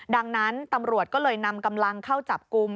ดังนั้นตำรวจก็เลยนำกำลังเข้าจับกลุ่ม